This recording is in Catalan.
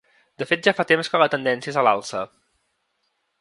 De fet, ja fa temps que la tendència és a l’alça.